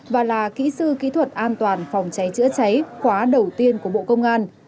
và là kỹ sư kỹ thuật an toàn phòng cháy chữa cháy khóa đầu tiên của bộ công an